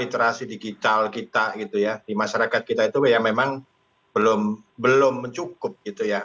literasi digital kita gitu ya di masyarakat kita itu ya memang belum cukup gitu ya